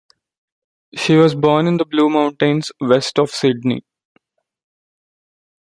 She was born in the Blue Mountains, west of Sydney.